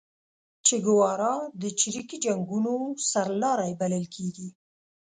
چیګوارا د چریکي جنګونو سرلاری بللل کیږي